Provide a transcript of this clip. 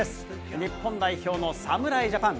日本代表の侍ジャパン。